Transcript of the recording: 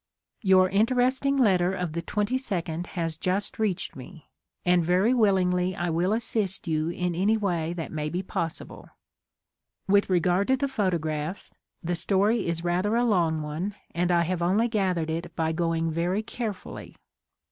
Your interesting letter of the 22nd has just reached me, and very willingly I will assist you in any way that may be possible. With regard to the photographs, the story is rather a long one and I have only gath ered it by going very carefully.